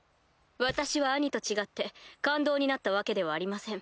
私は兄と違って勘当になったわけではありません。